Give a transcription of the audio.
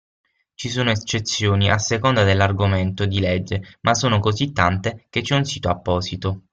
Ci sono eccezioni a seconda dell'argomento di legge ma sono così tante che c'è un sito apposito.